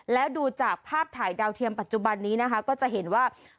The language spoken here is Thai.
แล้วดูจากภาพถ่ายดาวเทียมปัจจุบันนี้นะคะก็จะเห็นว่า